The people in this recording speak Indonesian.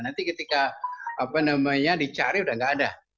nanti ketika dicari udah nggak ada